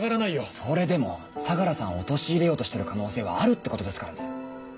それでも相良さんを陥れようとしてる可能性はあるってことですからね。